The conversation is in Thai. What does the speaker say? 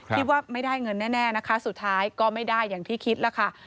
คิดว่าไม่ได้เงินแน่นะคะสุดท้ายก็ไม่ได้อย่างที่คิดแล้วค่ะ